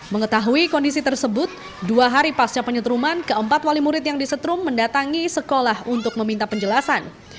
mengetahui kondisi tersebut dua hari pasca penyetruman keempat wali murid yang disetrum mendatangi sekolah untuk meminta penjelasan